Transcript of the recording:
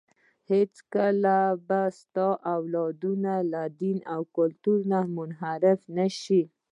هېڅکله به ستاسو اولادونه له دین او کلتور نه منحرف نه شي.